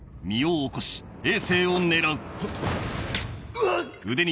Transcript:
うわっ！